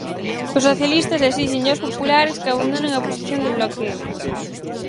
Os socialistas esíxenlles aos populares que abandonen a posición de bloqueo.